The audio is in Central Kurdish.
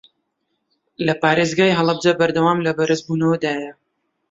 لە پارێزگای هەڵەبجە بەردەوام لە بەرزبوونەوەدایە